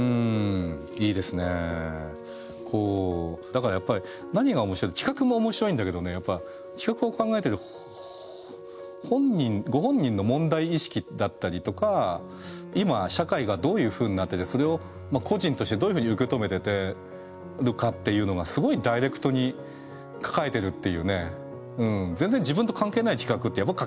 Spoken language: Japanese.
だからやっぱり何が面白いって企画も面白いんだけどねやっぱ企画を考えてるご本人の問題意識だったりとか今社会がどういうふうになっててそれを個人としてどういうふうに受け止めてるかっていうのがすごいダイレクトに書かれてるっていうね。